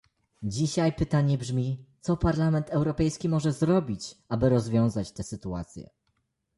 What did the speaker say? Dzisiaj pytanie brzmi, co Parlament Europejski może zrobić, aby rozwiązać tę sytuację